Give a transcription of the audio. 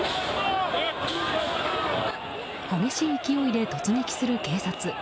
激しい勢いで突撃する警察。